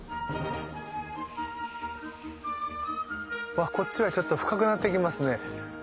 わっこっちはちょっと深くなってきますね。